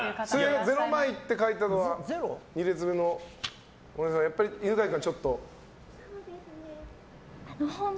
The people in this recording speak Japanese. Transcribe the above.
０枚って書いたのは２列目のお姉さんはやっぱり犬飼君はちょっと。